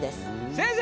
先生